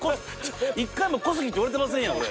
１回も小杉って言われてませんやん俺。